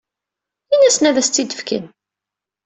Ini-asen ad as-tt-id-fken.